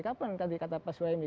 kapan tadi kata pak suhaimi